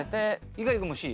猪狩君もＣ？